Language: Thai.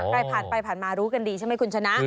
ใครผ่านไปผ่านมารู้กันดีใช่ไหมคุณชนะ